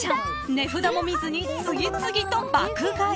［値札も見ずに次々と爆買い］